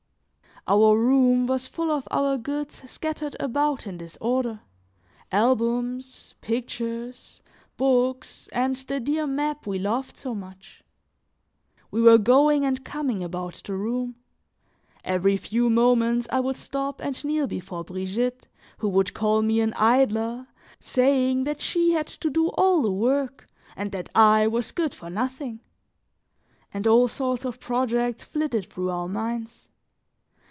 Our room was full of our goods scattered about in disorder, albums, pictures, books, and the dear map we loved so much. We were going and coming about the room; every few moments I would stop and kneel before Brigitte, who would call me an idler, saying that she had to do all the work, and that I was good for nothing; and all sorts of projects flitted through our minds.